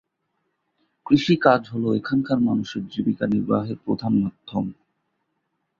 কৃষিকাজ হল এখানকার মানুষের জীবিকা নির্বাহের প্রধান মাধ্যম।